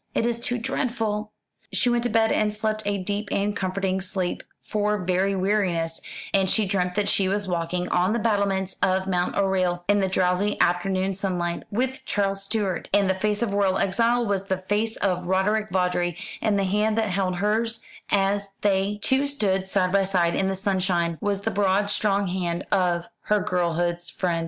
It is too dreadful!" She went to bed and slept a deep and comforting sleep, for very weariness: and she dreamt that she was walking on the battlements of Mount Orgueil, in the drowsy afternoon sunlight, with Charles Stuart; and the face of the royal exile was the face of Roderick Vawdrey, and the hand that held hers as they two stood side by side in the sunshine was the broad strong hand of her girlhood's friend.